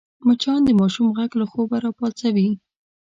مچان د ماشوم غږ له خوبه راپاڅوي